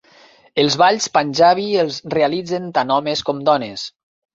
Els balls panjabi els realitzen tant homes com dones.